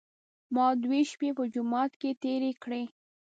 ما دوې شپې په جومات کې تېرې کړې.